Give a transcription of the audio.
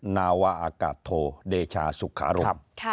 นาวาอากาศโทเดชาสุขารม